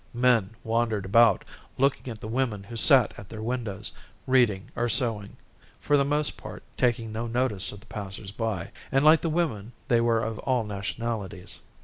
Men wandered about, looking at the women who sat at their windows, reading or sewing, for the most part taking no notice of the passers by; and like the women they were of all nationalities.